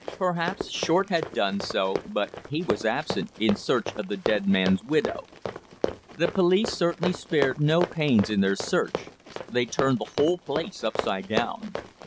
Perhaps Short had done so, but he was absent, in search of the dead man's widow. The police certainly spared no pains in their search. They turned the whole place upside down.